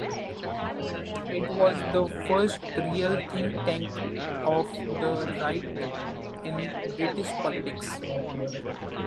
It was the first real think-tank of the right in British politics.